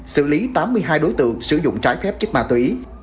xử lý tám mươi hai đối tượng sử dụng trái phép chích ma tùy